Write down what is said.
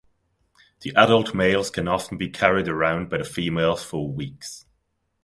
The adult males can often be carried around by the females for weeks.